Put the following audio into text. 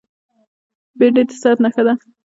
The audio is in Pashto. بېنډۍ د صحت نښه ده